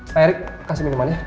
pak erick kasih minuman ya